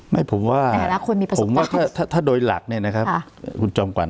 ไม่ผมว่าผมว่าถ้าโดยหลักเนี่ยนะครับคุณจอมขวัญ